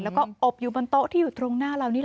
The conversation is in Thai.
แล้วก็อบอยู่บนโต๊ะที่อยู่ตรงหน้าเรานี่แหละ